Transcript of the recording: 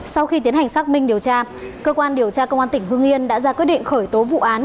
sau khi tiến hành xác minh điều tra cơ quan điều tra công an tỉnh hương yên đã ra quyết định khởi tố vụ án